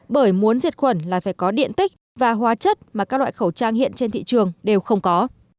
bởi muốn diệt khuẩn là phải có điện tích và hóa chất mà các loại khẩu trang hiện trên thị trường đều không có